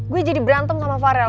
gue jadi berantem sama farel